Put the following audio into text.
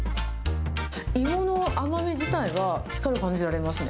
イモの甘み自体は、しっかり感じられますね。